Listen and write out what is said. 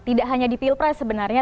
tidak hanya di pilpres sebenarnya